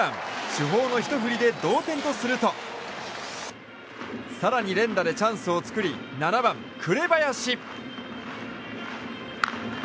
主砲のひと振りで同点とすると更に連打でチャンスを作り７番、紅林。